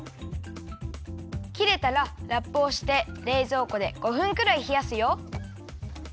きれたらラップをしてれいぞうこで５分くらいひやすよ。